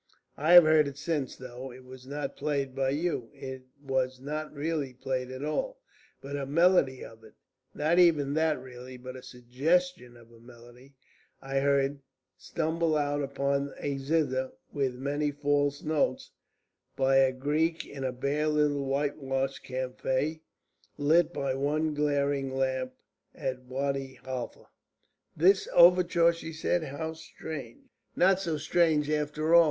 "I have heard it since, though it was not played by you. It was not really played at all. But a melody of it and not even that really, but a suggestion of a melody, I heard stumbled out upon a zither, with many false notes, by a Greek in a bare little whitewashed café, lit by one glaring lamp, at Wadi Halfa." "This overture?" she said. "How strange!" "Not so strange after all.